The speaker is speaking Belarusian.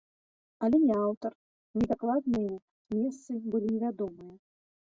Але ні аўтар, ні дакладныя месцы былі невядомыя.